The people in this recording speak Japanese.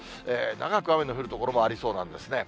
長く雨の降る所もありそうなんですね。